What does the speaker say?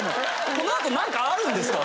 この後何かあるんですか？